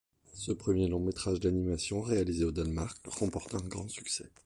Ce premier long métrage d'animation réalisé au Danemark remporta un grand succès.